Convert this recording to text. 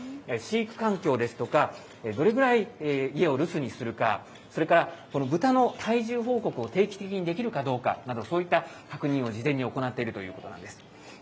飼育環境ですとか、どれぐらい家を留守にするか、それからブタの体重報告を定期的にできるかどうかなど、そういった確認を事前に行っているということなんです。